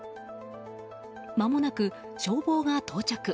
まもなく消防が到着。